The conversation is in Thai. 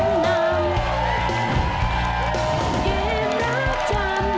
เกมรับจำ